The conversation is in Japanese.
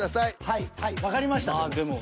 はいはいわかりましたでも。